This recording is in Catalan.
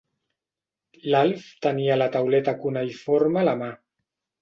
L'Alf tenia la tauleta cuneïforme a la mà.